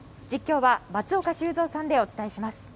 実況は松岡修造さんでお伝えします。